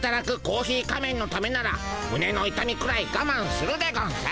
コーヒー仮面のためならむねのいたみくらいがまんするでゴンス。